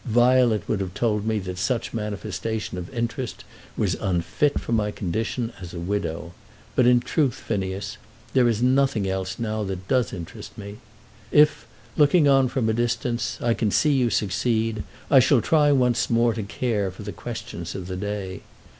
Violet would have told me that such manifestation of interest was unfit for my condition as a widow. But in truth, Phineas, there is nothing else now that does interest me. If, looking on from a distance, I can see you succeed, I shall try once more to care for the questions of the day.